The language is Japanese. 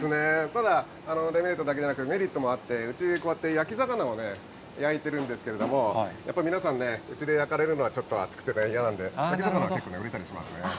ただ、デメリットだけじゃなくてメリットもあって、うち、こうやって焼き魚をね、焼いてるんですけど、やっぱり皆さんね、うちで焼かれるのはちょっと暑くて嫌なんで、売れたりしますね。